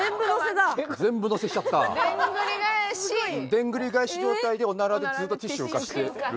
でんぐり返し状態でおならでずっとティッシュを浮かしてる。